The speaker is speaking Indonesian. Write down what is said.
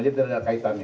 jadi tidak ada kaitannya